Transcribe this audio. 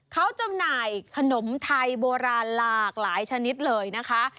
เขาจำหน่ายขนมไทยโบราณหลากหลายชนิดเลยนะคะ